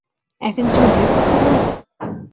একেক জন একেক কথা বলবে?